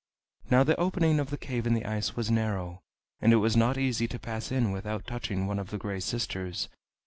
Now the opening of the cave in the ice was narrow, and it was not easy to pass in without touching one of the Gray Sisters.